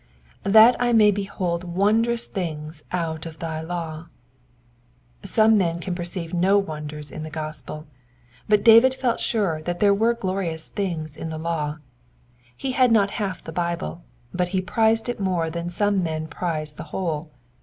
^•''That I may behold wondrous things out of thy law,"*^ Some men can perceive no wonders in the gospel, but David felt sure that there were glonous things in the law : he ad not half the Bible, but he prized it more than some men prize the whole.